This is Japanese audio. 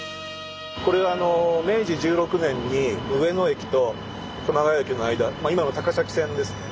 これは明治１６年に上野駅と熊谷駅の間今の高崎線ですね